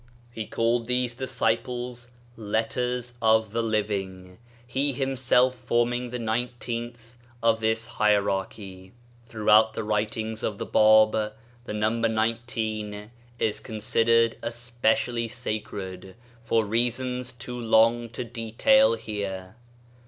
He called these disciples " Letters of the Living," he himself forming the nineteenth of this hierachy. Throughout the writings of the Bab the number nineteen is considered especially sacred, for reasons too long to detail here.